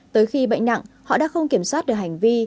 tới khi bệnh nặng họ đã không kiểm soát được hành vi